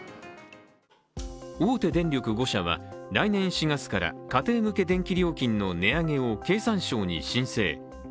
大手電力５社は来年４月から家庭向け電気料金の値上げを経産省へ申請。